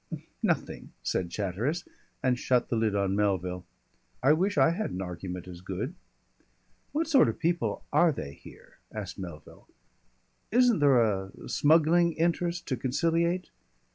"Nothing," said Chatteris, and shut the lid on Melville. "I wish I had an argument as good." "What sort of people are they here?" asked Melville. "Isn't there a smuggling interest to conciliate?"